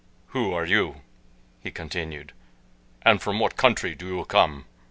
"Who are you," he continued, "and from what country do you come?"